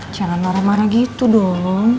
jangan marah marah gitu dong